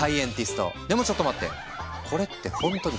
でもちょっと待って！